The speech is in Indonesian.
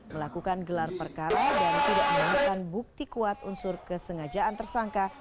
melakukan gelar perkara dan tidak menemukan bukti kuat unsur kesengajaan tersangka